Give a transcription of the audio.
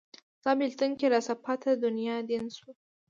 ستا بیلتون کې راڅه پاته دنیا دین شو